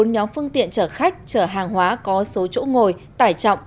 bốn nhóm phương tiện chở khách chở hàng hóa có số chỗ ngồi tải trọng